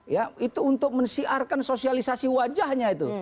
ya itu untuk mensiarkan sosialisasi wajahnya itu